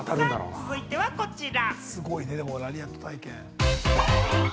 続いてはこちら。